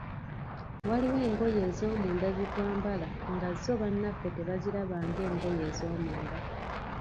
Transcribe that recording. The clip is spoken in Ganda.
Waliwo engoye ez'omunda ze twambala nga zo bannaffe tebaziraba nga engoye ez'omunda.